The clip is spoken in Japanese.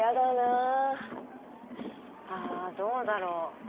ああーどうだろう？